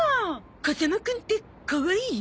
風間くんってかわいい？